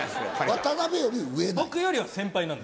渡辺より上なん？